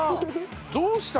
どうした？